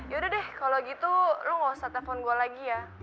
yaudah deh kalau gitu lu gak usah telepon gue lagi ya